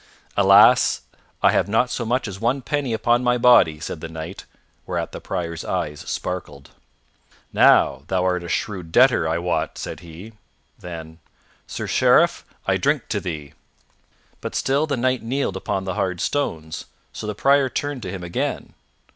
"Alas! I have not so much as one penny upon my body," said the Knight; whereat the Prior's eyes sparkled. "Now, thou art a shrewd debtor, I wot," said he. Then, "Sir Sheriff, I drink to thee." But still the Knight kneeled upon the hard stones, so the Prior turned to him again.